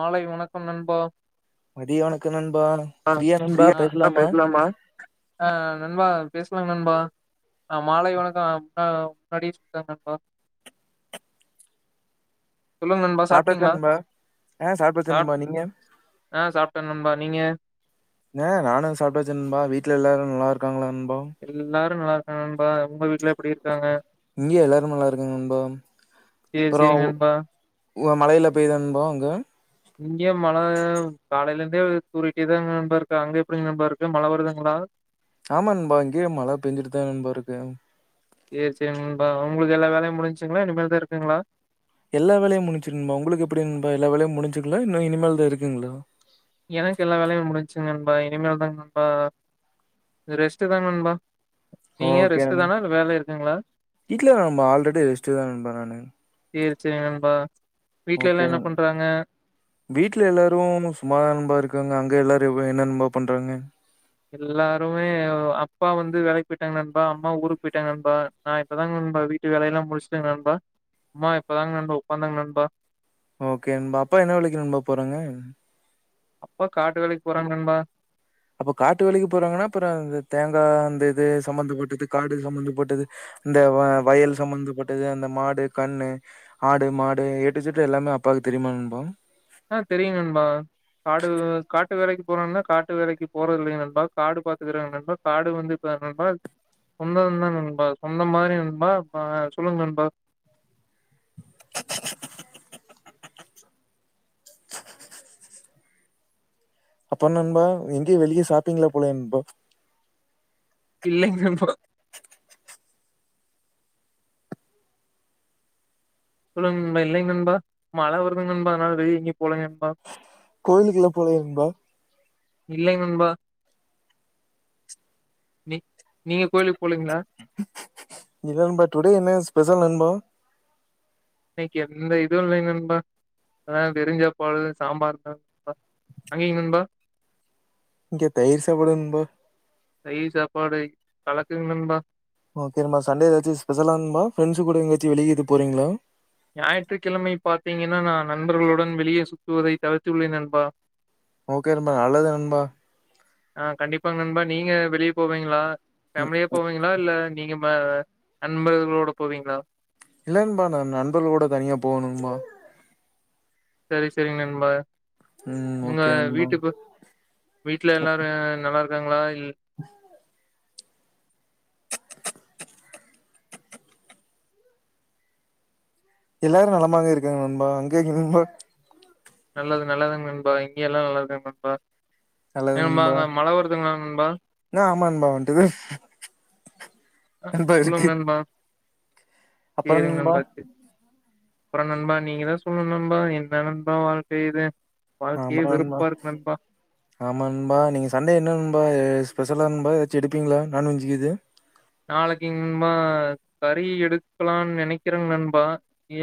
காலை வணக்கம் நண்பா மதிய வணக்கம் நண்பா ஃப்ரீயா நண்பா பேசலாமா ஆ நண்பா பேசலா நண்பா ஆ மாலை வணக்கம் ஆ முன்னாடியே சொல்ட்டே நண்பா சொல்லுங்க நண்பா சாப்ட்டாச்சா சாப்ட்டீங்ளா நண்பா ஆ சாப்டாச்சு நண்பா நீங்க ஆ சாப்ட்டே நண்பா நீங்க ஏ நானு சாப்டாச்சு நண்பா வீட்ல எல்லாரு நல்லாருக்காங்ளா நண்பா எல்லாரு நல்லா இருக்காங்க நண்பா உங்க வீட்ல எப்டி இருக்காங்க இங்க எல்லாரு நல்லா இருக்காங்க நண்பா சேரி அப்பறோ சேரிங்க நண்பா உ மழையில பேய் தா நண்பா அங்க இங்க மழ காலையில இருந்தே தூறிட்டேதான்ங்க நண்பா இருக்கு அங்க எப்டிங்க நண்பா இருக்கு மழ வருதுங்ளா ஆமா நண்பா இங்கயே மழ பேஞ்சுட்டுதா நண்பா இருக்கு சேரி சேரி நண்பா உங்களுக்கு எல்லா வேலயு முடிஞ்சுங்ளா இனிமேல் தா இருக்குங்ளா எல்லா வேலயு முடிஞ்ச்சி நண்பா உங்களுக்கு எப்டி நண்பா எல்லா வேலயு முடிஞ்சுங்களா இன்னு இனிமேல்தா இருக்குங்ளா எனக்கு எல்லா வேலயு முடிஞ்ச்சு நண்பா இனிமேல் தா நண்பா ரெஸ்ட்டுதா நண்பா நீங்க ஓகே ரெஸ்ட்டு நண் தானா இல்ல வேல இருக்குங்களா இல்ல நண்பா ஆல்ரெடி ரெஸ்ட்டுதா நண்பா நானு சேரி சேரி நண்பா வீட்ல எல்லா ஓகே என்ன நண் பண்றாங்க வீட்ல எல்லாரு சும்மாத நண்பா இருக்காங்க அங்க எல்லாரு என்ன நண்பா பண்றாங்க எல்லாருமே அப்பா வந்து வேலக்கி போய்ட்டாங்க நண்பா அம்மா ஊருக் போய்ட்டாங்க நண்பா நா இப்பதாங் நண்பா வீட்டு வேலயல்லா முடிச்டங் நண்பா அம்மா இப்பதாங்க நண்பா உக்காந்தாங்க நண்பா ஓகே நண்பா அப்பா என்ன வேலைக்கு நண்பா போறாங்க அப்பா காட்டு வேலைக்கி போறாங்க நண்பா அப்போ காட்டு வேலக்கி போறாங்கன்னா அப்பறொ இந்த தேங்கா அந்த இது சம்மந்தப்பட்டது காடு சம்மந்தப்பட்டது இந்த வ வயல் சம்மந்தப்பட்டது அந்த மாடு கண்ணு ஆடு மாடு ஏ டு இஜெட் எல்லாமே அப்பாக்கு தெரியுமா நண்பா ம் தெரியு நண்பா காடு காட்டு வேலைக்கு போறாங்கனா காட்டு வேலைக்கு போறதில்லைங் நண்பா காடு பாத்துக்குறீங்க நண்பா காடு வந்து இப்ப நண்பா சொந்தொந்தா நண்பா சொந்தம் மாரி நண்பா பா சொல்லுங்க நண்பா அப்போ நண்பா எங்கியு வெளிய சாப்பிங்ளா போலயாண்பா இல்லைங் நண்பா சொல்லுங் நண்பா இல்லைங் நண்பா மழ வருதுங் நண்பா அதுனால வெளுய எங்கியு போல நண்பா கோயிலுக்குலா போலயா நண்பா இல்லைங் நண்பா நீ நீங்க கோயிலுக் போலீங்ளா இல்ல நண்பா டுடே என்ன ஸ்பெசல் நண்பா இன்னக்கி எந்த இதுவு இல்லைங் நண்பா அதா வெருஞ் சாப்பாடு சாம்பார்தா அங்கய்ங் நண்பா இங்க தயிர் சாப்பாடு நண்பா தயிர் சாப்பாடு கலக்குங் நண்பா ஓகேண்பா சண்டே ஏதாச்சு ஸ்பெஷலா நண்பா ஃப்ரெண்ட்ஸு கூட எங்கயாச்சி வெளிய எதும் போறீங்களா ஞாயிற்றுக்கிழமை பாத்தீங்கன்னா நா நண்பர்களுடன் வெளியே சுத்துவதை தவிர்த்துள்ளேன் நண்பா ஓகே நண்பா நல்லது நண்பா ஆ கண்டிப்பா நண்பா நீங்க வெளிய போவீங்களா ம் ஃபேமிலியா போவீ ங்ளா இல்ல நீங்க நண்பர்களோட போவீங்ளா இல்லண்பா நா நண்பர்களோட தனியா போணும்பா சேரி சேரிங் நண்பா ம் எங்க ஓகே நண்பா வீட்டுக்கு வீட்ல எல்லாரு நல்லா இருக்காங்களா இல் ஆ எல்லாரு நலமாக இருக்காங்க நண்பா அங்க நண்பா நல்லது நல்லதுங் நண்பா இங்கெ எல்லா நல்லார்காங் நண்பா ம அங்க மழ வருதுங்ளா நண்பா அ ஆமா நண்பா வன்ட்டுது சொல்லுங் நண்பா சேரிங் நண்பா அப்பறொ நண்பா நீங்கதா சொல்ணு நண்பா என்ன நண்பா வாழ்க்க இது வாழ்க்கையே ஆமா நண்பா வெறுப்பா இருக்கு நண்பா ஆமா நண்பா நீங்க சண்டே என்ன நண்பா ஏ ஸ்பெஷலாண்பா ஏதாச்சு எடுப்பீங்ளா நான்வெஜ் இது நாளக்கிங் நண்பா கறி எடுக்லான் நெனக்கிறங் நண்பா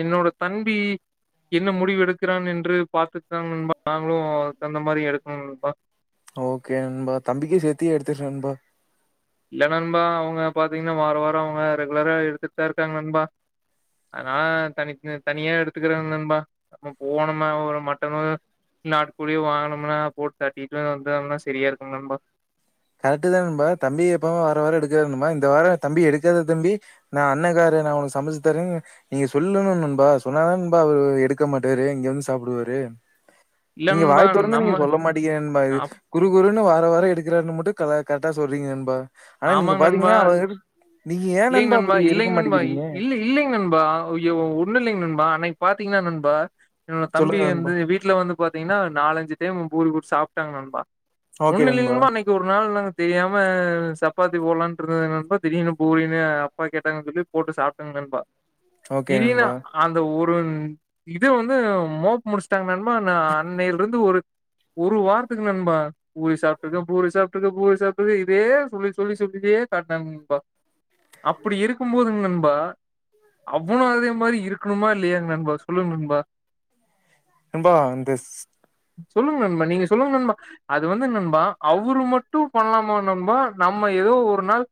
என்னோட தம்பி என்ன முடிவெடுக்கிறான் என்று பாத்துட்தா நண்பா நாங்களு அதுக்தகுந்த மாரி எடுக்கணுண்பா ஓகே நண்பா தம்பிக்கு சேத்தியே எடுத்துரு நண்பா இல்ல நண்பா அவ்ங்க பாத்தீங்கனா வாரா வாரொ அவ்ங்க ரெகுலரா எடுத்துட்தா இருக்காங் நண்பா அனா தனித் அ தனியா எடுத்துக்றலங் நண்பா நம்ம போணுமா ஒரு மட்டனோ இல் நாட்டுக் கோழியோ வாங்னோம்னா போட்டு தட்டியிட்லா வந்தோம்னா செரியா இருக்கு நண்பா கரெக்ட்டுதா நண்பா தம்பி எப்பவ் வார வாரொ எடுக்காதுண்பா இந்த வாரொ தம்பி எடுக்காத தம்பி நா அண்ணக்கார நா உனக்கு சமைச்சு தரேன் நீங்க சொல்லணும்னுபா சொன்னாதானபா அவரு எடுக்க மாட்டாரு இங்க வந்து சாப்டுவாரு இல்ல நீங்க நண்பா வாய தொரந்து நீங்க நம்ம சொல்ல மாட்டீங்க நண்பா குருகுருன்னனு வார வாரோ எடுக்கிறார்ன்னு மட்டு கரெக்டா சொல்றீங்க நண்பா ஆனா நீங்க ஆமாங் பாத்தீங்ன்னா நண்பா அவ நீங்க ஏ இல்லைங் நண்பா அப்டி இருக்க இல்லைங் நண்பா மாட்டேங்கிறீங்க இ- இல்ல இல்லைங் நண்பா ஒன்னு இல்லைங் நண்பா அன்னைக்கு பாத்தீங்கன்னா நண்பா என்னோட தம்பி சொல்லுங்க நண்பா. வந்து வீட்டு வீட்டுல வந்து பாத்தீங்ன்னா நாலஞ்சு டைம் பூரு கூ சாப்ட்டாங்க நண்பா ஒன்னு இல்லங் நண்பா ஒரு நாள் நாங்க தெரியாம சப் சப்பாத்தி போட்லான்னு இருந்ததுங்க நண்பா திடீனு பூரினு அப்பா கேட்டாங் சொல்லி போட்டு சாப்டுங் நண்பா ஓகே கிரினா நண்பா. அந்த ஒரு இது வந்து மோப் முடிச்சிட்டாங்க நன்பா நா அன்னில இருந்து ஒரு ஒரு வாரத்துக்கு நண்பா பூரி சாப்ட்டுக்க பூரி சாப்ட்டுக்க பூரி சாப்ட்டுக்க இதே சொல்லி சொ சொல்லி சொல்லியே காட்டனாங்க நன்பா அப்டி இருக்கும் போதுங் நன்பா அவனு அதே மாரி இருக்கணுமா இல்லையாங் நண்பா சொல்லுங் நண்பா நன்பா இந்தஸ் சொல்லுங்க நண்பா நீங்க சொல்லுங்க நண்பா அது வந்து நண்பா அவரு மட்டும் பண்லாமா நண்பா நம்ம ஏதோ ஒரு நாள்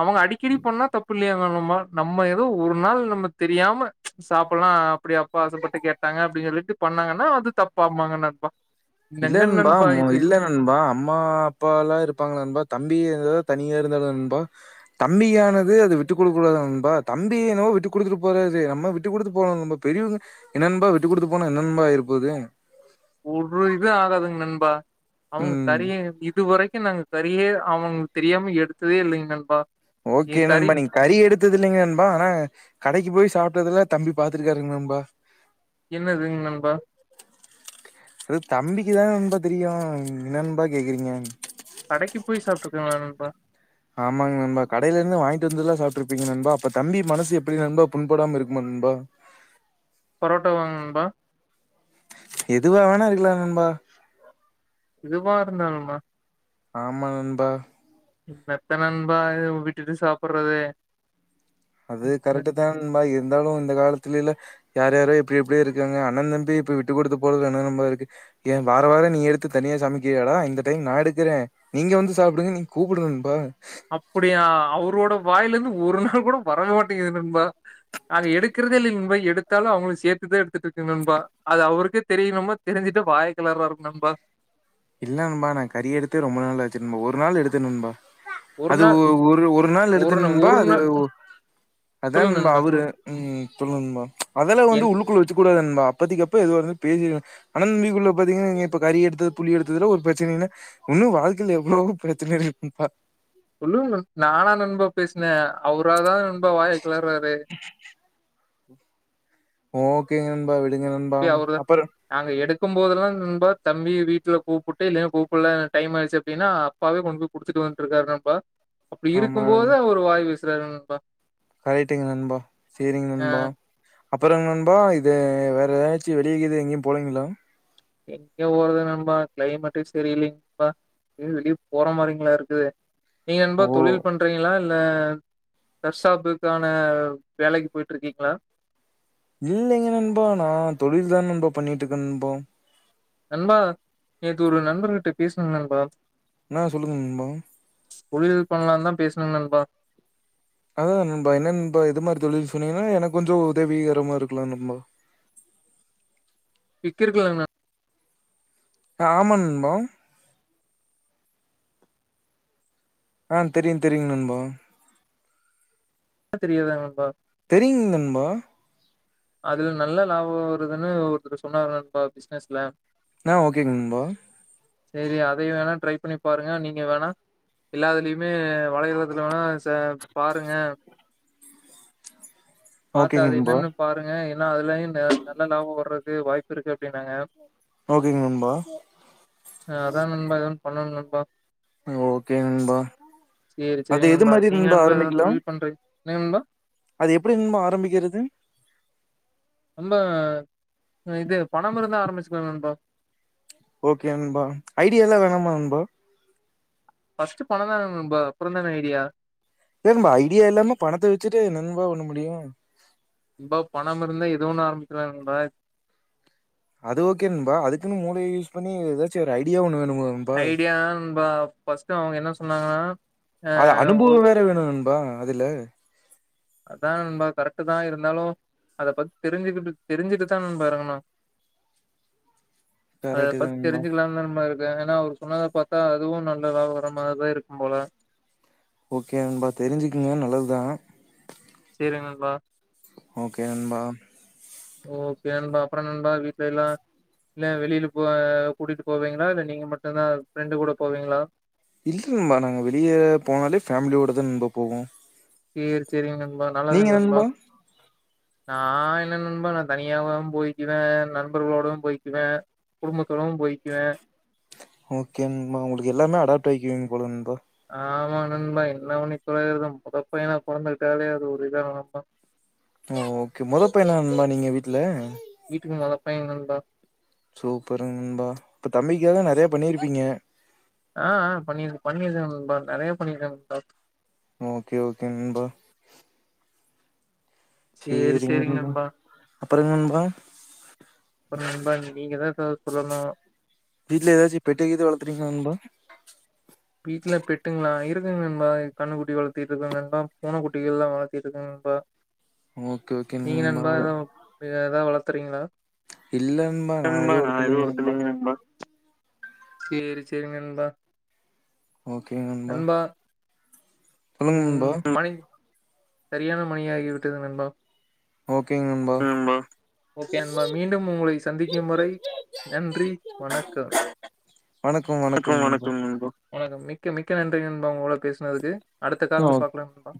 அவங்க அடிக்கடி பண்ணா தப்பு இல்லையா மா நம்ம ஏதோ ஒரு நாள் நம்ம தெரியாம சாப்டலா அப்டி அப்பா ஆசப்பட்டு கேட்டாங்க அப்டின்னு சொல்லிட்டு பண்ணாங்கன்னா அது தப்பாமாங்கன் அர்த்தோ இல்ல நண்பா மொ இல்ல நண்பா அம்மா அப்பா எல்லா இருப்பாங்க நண்பா தம்பி ஏதோ தனியா இருந்தாத நண்பா தம்பியானது அது விட்டுக் குடுக்க கூடாது நண்பா தம்பி என்னவோ விட்டு குடுத்துட்டு போறது நம்ம விட்டு குடுத்து போவோ நம்ப பெரியவங்க என்ன நண்பா விட்டு குடுத்து போனா என்ன நண்பா ஆயிரப்போது ஒரு இது ஆகாதுங் நண்பா அவங்க ம். கறிய இதுவரைக்கு நாங்க கறியே அவன்க்கு தெரியாம எடுத்ததே இல்லைங்க நண்பா ஓகே நண்பா நீங்க கறி எடுத்ததுல்லைங்க நண்பா ஆனா கடைக்கு போய் சாப்ட்துல்லா தம்பி பாத்துருக்காருங்க நண்பா என்னதுங் நண்பா அது தம்பிக்குதா நண்பா தெரியு என்ன நண்பா கேக்குறீங்க கடைக்கு போய் சாப்ட்டுருக்கங்க நண்பா ஆமாங்க நண்பா கடையில இருந்து வாங்கிட்டு வந்துல்லா சாப்ட்டுருப்பீங்க நண்பா அப்ப தம்பி மனசு எப்படி நண்ப புன்படாம இருக்குமா நண்பா பரோட்டா வா நண்பா எதுவா வேணா இருக்கலா நண்பா எதுவா இருந்தாலும்மா ஆமா நண்பா என்னத்த நண்பா விட்டுட்டு சாப்புட்றது அது கரெக்டு தான நண்பா இருந்தாலு இந்த காலத்துலேல்ல யார் யாரோ எப்டி எப்டியோ இருக்காங்க அண்ண தம்பி இப்ப விட்டு குடுத்து போறது என்ன நம்பா இருக்கு ஏ வார வார நீ எடுத்து தனியா சமைக்கிறியடா இந்த டைம் நா எடுக்குறே நீங்க வந்து சாப்டுங்க நீங்க கூப்டு நண்பா அப்படியா அவரோட வாயில இருந்து ஒரு நாள் கூட வரவே மாட்டேங்குது நண்பா அது எடுக்கறதே இல்லங் நண்பா எடுத்தாலு அவுங்களுக்கு சேத்துதா எடுத்துட்டு இருக்கங் நன்பா அது அவருக்கே தெரியணும்மா தெரிஞ்சுட்டு வாய கலராருங் நண்பா இல்ல நண்பா நா கறி எடுத்தே ரொம்ப நாளாச்சி நன்பா ஒரு நாள் எடுத்த நண்பா ஒரு அது நாள் ஒ ஒரு ஒரு நாள் எடுத்தன் நா நண்பா ஒரு அது நா அதான் சொல்லுங்க நண்பா அவரு சொல்லுங்க ம் சொல்லுங்க நண்பா அதலா வந்து என் உள்ளுக்குள்ள வச்சிக்க கூடாது நண்பா அப்பத்திக்கு அப்ப எதுவா இருந்தாலும் பேசிருவ அண்ண தம்பிகுள்ள பாத்தீங்க நீங்க இப்ப கறி எடுத்து புளி எடுத்ததுல ஒரு பிரச்சனன்னா உன்னும் வாழ்க்கையில எவ்ளோவோ பிரச்சன இருக்குது நண்பா சொல்லுங்க நண் நாலாம் நண்பா பேஸ்ன அவராதா நண்பா வாய கிளர்றாரு ஓகேங் நண்பா விடுங்க நண்பா அவருதா அப்புறம் நாங்க எடுக்கம் போதெல்லா நண்பா தம்பிய வீட்ல கூப்புட்டு இல்லன்னா கூப்பல எனக்கு டைம் ஆயிருச்சி அப்டின்னா அப்பாவே கொண்டு போயி குடுத்துட்டு வண்ட்டுருக்காரு நண்பா அப்டி ஆமா இருக்கும் போதே அவரு வாய் பேசுறாரு நண்பா கரெக்ட்டுங்க நண்பா சேரிங்க நண்பா அப்பறம் நண்பா இது வேற எதாச்சி வெளியேக்கிது எங்கியும் போலிங்கிளா எங்க போறது நண்பா கிளைமேட்டு செரி இல்லைங் நண்பா எங்கியு வெளிய போற மாரிங்கிளா இருக்குது நீங்க நண்பா ஓ தொழில் பண்றீங்கிளா இல்ல தர்சாப்புக்கான வேலைக்கு போயிட்டு இருக்கீங்ளா இல்லைங்க நண்பா நா தொழில் தா நண்பா பண்ணிட்டுருக்க நண்பா நண்பா நேத்து ஒரு நண்பர்கிட்ட பேசன நண்பா என்னா சொல்லுங்க நண்பா தொழில் பண்ணலான்தா பேசன நண்பா அதா நண்பா என்ன நண்பா எது மாரி தொழில் சொன்னீங்கன்னா எனக்கு கொஞ்சோ உதவீகரமா இருக்கலா நண்பா விக்கிருக்கலாங்கன்னா ஆமா நண்பா ஆ தெரியு தெரியுங் நண்பா அது தெரியாதா நண்பா தெரியுங் நண்பா அதுல நல்ல லாபம் வருதுன்னு ஒருத்தரு சொன்னாரு நண்பா பிஸ்னஸ்ல ஆ ஓகேங் நண்பா செரி அதை வேணா ட்ரை பண்ணி பாருங்க நீங்க வேணா எல்லா இதுலயுமே வளையதளத்துல வேணா சே பாருங்க பாத்து ஓகேங்க அது நண்பா என்னன்னு பாருங்க ஏனா அதுலயு நல்ல லாபம் வர்றதுக்கு வாய்ப்பு இருக்கு அப்டின்னாங்க ஓகேங்க நண்பா அதா நண்பா எதா ஒன்னு பண்ணணு நண்பா ஆ ஓகே நண்பா செரி செரி அது எது நண்பா மாரி நீங்க நண்பா எதாவது ஆரம்பிக்கலா தொழில் பண்றீ என்ன நண்பா அது எப்டி நண்பா ஆரம்பிக்கிறது ரொம்ப இது பணம் இருந்தா ஆரம்பிச்சிக்குலா நண்பா ஓகே நண்பா ஐடியா எல்லா வேணாமா நண்பா ஃபஸ்ட்டு பணம் தா வேணு நண்பா அப்றோ தான ஐடியா ஏ நண்பா ஐடியா இல்லாம பணத்த வச்சிட்டு என்னா நண்பா பண்ண முடியும் நண்பா பணம் இருந்தா எது ஒன்னு ஆரம்பிக்கிலா நண்பா அது ஓகே நண்பா அதுக்குன்னு மூளைய யூஸ் பண்ணி எதாச்சி ஒரு ஐடியா ஒன்னு வேணுமுல்ல ந ஐடியாதான நண்பா பஸ்ட்டு அவங்க என்ன சொன்னாங்கனா அது அனுபவ வேற வேணு நண்பா அதுல அதா நண்பா கரெக்ட்டு தா இருந்தாலு அத பத்தி தெரிஞ்சிக்கிட்டு தெரிஞ்சிட்டு தா நண்பா எறங்கனு அத கரெக்ட்டு பத்தி தான் நண்பா தெரிஞ்சிக்கிலானு தா நண்பா இருக் க ஏனா அவரு சொன்னத பாத்தா அதுவு நல்ல லாபம் வர மாரிதா இருக்கும் போல ஓகே நன்பா தெரிஞ்சுக்குங்க நல்லதுதா சேரி நண்பா ஓகே நண்பா ஓகே நண்பா அப்ற நண்பா வீட்ல எல்லா இல்ல வெளில போ கூட்டிகிட்டு போவீங்களா இல்ல நீங்க மட்டுதா ஃப்ரெண்டு கூட போவீங்களா இல்ல நண்பா நாங்க வெளிய போனாலே ஃபேமிலியோட தா நண்பா போவோ சேரி சேரிங்க நண்பா நல்லது நண்பா நா என்ன நண்பா நா தனியாவு போயிக்குவே நண்பர்களோடு போயிக்குவே குடும்பத்தோடவு போயிக்குவே ஓகே நண்பா உங்களுக்கு எல்லாமே அடாப்ட் ஆயிக்குவீங்க போல நண்பா ஆமா நண்பா என்ன பண்ணி தொலையிறது மொத பையனா பொறந்துட்டாலே அது ஒரு இதா நெனப்போ ஓ ஓகே மொத பையனா நண்பா நீங்க வீட்ல வீட்டுக்கு மொத பைய நண்பா சூப்பரு நண்பா இப்ப தம்பிக்காக நெறைய பண்ணி இருப்பீங்க ஆ ஆ பண்ணி இருக்கு பண்ணி இருக்கே நண்பா நெறைய பண்ணி இருக்கே நண்பா ஓகே ஓகே நண்பா சேரி நண்பா அப்புற என்ன நண்பா அப்பற நண்பா நீங்க தா ஏதாது சொல்லணு வீட்ல ஏதாச்சு பெட்டு கீது வளத்துருக்கீங்களா நண்பா வீட்டு்ல பெட்டுங்களா இருக்குங்க நண்பா கண்ணு குட்டி வளத்திட்டு இருக்கே நண்பா பூன குட்டி எல்லா வளத்திட்டு இருக்கே நண்பா [inaudible] நீங்க நண்பா ஏதாவ் ஏதாவது வளர்த்துருக்கீங்களா ல நண்பா நா எது வளத்தலிங்க நண்பா சேரி சேரி நண்பா ஓகே நண்பா சொல்லுங்க ம் நண்பா மணி சரியான மணி ஆகி விட்டது நண்பா ஓகே நண்பா ஓகே நண்பா மீண்டும் உங்களை சந்திக்கும் வரை நன்றி வணக்கம் வணக்கோ வணக்கம் நண்பா வணக்கம் மிக்க மிக்க நன்றி நண்பா உங்களோட பேசுனதுக்கு அடுத்த ஆ கால்ல ஓ- பாக்கலாம் நண்பா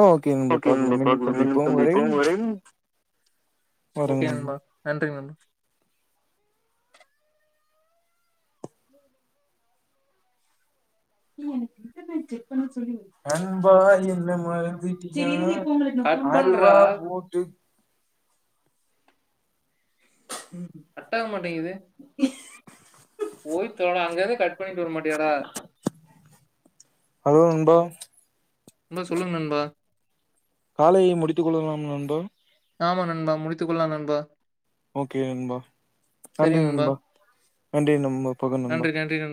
ஆ ஓகே நண்பா பாக்கலாம் மீண்டும் சந்திப்போம் வரை ஓகே நண்பா நன்றி நண்பா நீ எனுகிட்ட நண்பா என்ன எந்தன் மறந்துட்டியா மனதில் கட் பண்றா ஓட்டு ம் கட்டாக மாட்டேங்கிது போய் தொலைடா அங்க இருந்து கட் பண்ணிட்டு வர மாட்டியா டா ஹலோ நண்பா நண்பா சொல்லுங்க நண்பா காலை முடித்து கொள்ளலாம் நண்பா ஆமா நண்பா முடித்து கொள்லா நண்பா ஓகே நண்பா நன்றி நண்பா நன்றி நம்ம போக நண்பா நன்றி நன்றி நண்பா